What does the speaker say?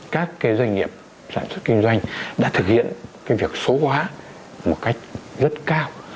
các doanh nghiệp sản xuất kinh doanh đã thực hiện việc số hóa một cách rất cao